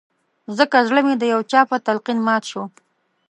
ځکه زړه مې د يو چا په تلقين مات شو